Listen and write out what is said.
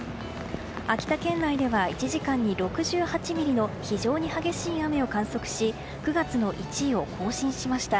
秋田県内は、１時間に６８ミリの非常に激しい雨を観測し９月の１位を更新しました。